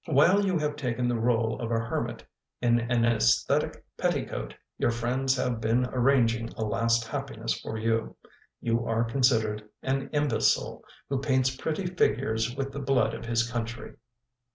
While you have taken the role of a hermit in an aesthetic petticoat your friends have been arranging a last happiness for you. You are con sidered an imbecile who paints pretty figures with the blood of his country."